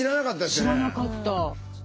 知らなかった。